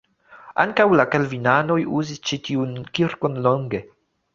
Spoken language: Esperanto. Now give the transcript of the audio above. Ankaŭ la kalvinanoj uzis ĉi tiun kirkon longe.